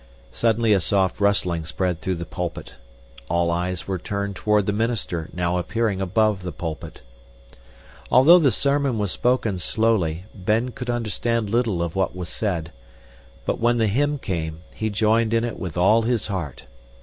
Suddenly a soft rustling spread through the pulpit. All eyes were turned toward the minister now appearing above the pulpit. Although the sermon was spoken slowly, Ben could understand little of what was said; but when the hymn came, he joined in with all his heart.